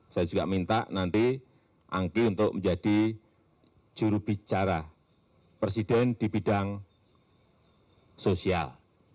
saya juga minta nanti angki untuk menjadi jurubicara presiden di bidang sosial